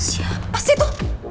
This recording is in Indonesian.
siapa sih itu